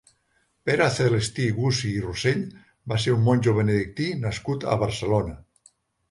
Pere Celestí Gusi i Rossell va ser un monjo benedictí nascut a Barcelona.